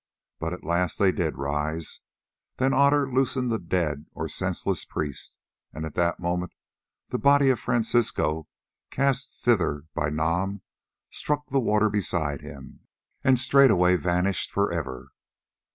But at last they did rise. Then Otter loosed the dead or senseless priest, and at that moment the body of Francisco, cast thither by Nam, struck the water beside him and straightway vanished for ever.